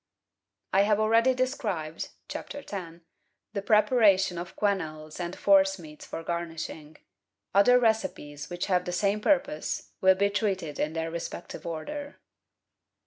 I have already described (Chapter X.) the preparation of quenelles and forcemeats for garnishing. Other recipes which have the same purpose will be treated in their respective order.